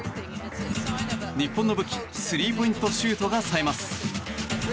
日本の武器スリーポイントシュートがさえます。